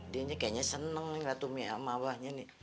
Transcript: dia kayaknya seneng ngeliat umi sama abahnya nih